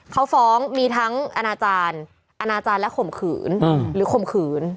เขาฟ้องมีทั้งอนาจารย์อนาจารย์และข่มขืนหรือข่มขืน